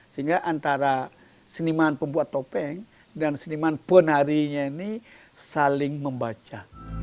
sehingga antara seniman pembuat topeng dan seniman penarinya ini saling membaca